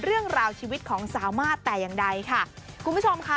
เรื่องราวชีวิตของสาวมาสแต่อย่างใดค่ะคุณผู้ชมค่ะ